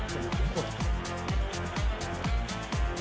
これ。